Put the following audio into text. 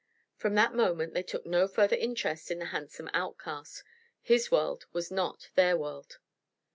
From that moment they took no further interest in the handsome outcast. His world was not their world.